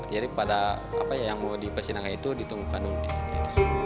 jadi pada apa ya yang mau di persidangan itu ditunggu kanun disitu